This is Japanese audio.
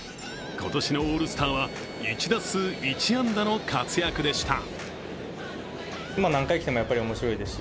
今年のオールスターは１打数１安打の活躍でした。